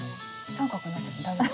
三角になっても大丈夫？